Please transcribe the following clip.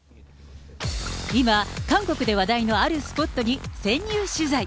今、韓国で話題のあるスポットに潜入取材。